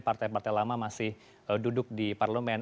partai partai lama masih duduk di parlemen